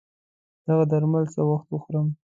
دغه درمل څه وخت وخورم